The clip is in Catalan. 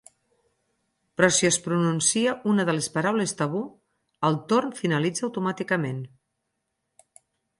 Però si es pronuncia una de les paraules tabú, el torn finalitza automàticament.